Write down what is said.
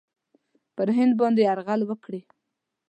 پر هند باندي یرغل وکړي.